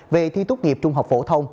về thi tốt nghiệp trung học phổ thông